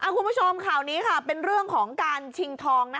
คุณผู้ชมข่าวนี้ค่ะเป็นเรื่องของการชิงทอง